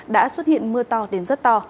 đã xuất hiện mưa to đến rất to